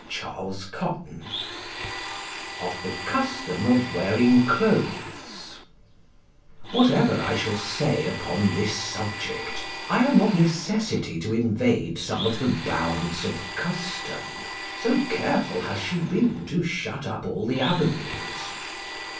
CHAPTER XXXV OF THE CUSTOM OF WEARING CLOTHES Whatever I shall say upon this subject, I am of necessity to invade some of the bounds of custom, so careful has she been to shut up all the avenues.